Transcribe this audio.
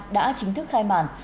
đã chính thức khai mản